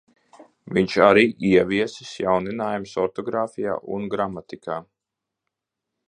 Viņš arī ieviesis jauninājumus ortogrāfijā un gramatikā.